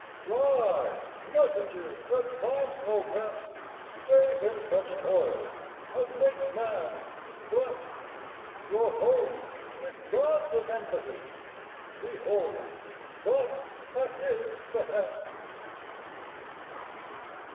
Fly, messengers that find no rest Save in such toil as makes man blest! Your home is God's immensity: We hold you but at his behest.